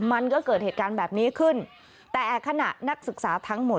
มันก็เกิดเหตุการณ์แบบนี้ขึ้นแต่ขณะนักศึกษาทั้งหมด